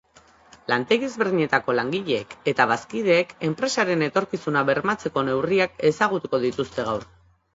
Lantegi ezberdinetako langileek eta bazkideek enpresaren etorkizuna bermatzeko neurriak ezagutuko dituzte gaur.